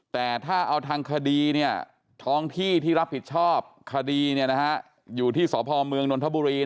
แต่ถ้าเอาทางคดีท้องที่ที่รับผิดชอบคดีอยู่ที่สพเมืองนนทบุรี